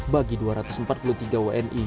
bagi dua ratus empat puluh tiga wni